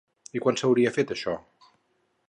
I quan s'hauria fet, això?